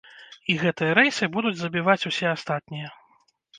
І гэтыя рэйсы будуць забіваць усе астатнія.